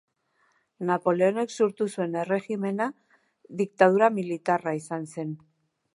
Napoleonek sortu zuen erregimena diktadura militarra izan zen.